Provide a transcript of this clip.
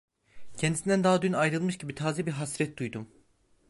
Kendisinden daha dün ayrılmış gibi taze bir hasret duydum.